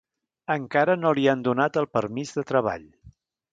Encara no li han donat el permís de treball.